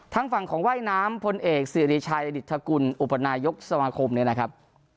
ทั้งฝั่งของว่ายน้ำพลเอกสื่อดีชายระดิษฐกุลอุปนายกสมาคมนะครับ